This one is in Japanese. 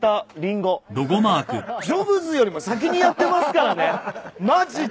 ジョブズよりも先にやってますからねマジで。